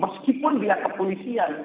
meskipun dia kepolisian